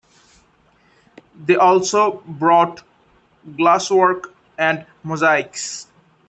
They also brought glasswork and mosaics.